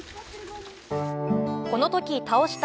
この時倒した